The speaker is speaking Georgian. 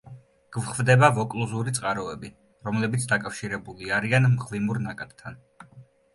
გვხვდება ვოკლუზური წყაროები, რომლებიც დაკავშირებული არიან მღვიმურ ნაკადთან.